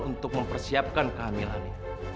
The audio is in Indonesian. untuk mempersiapkan kehamilannya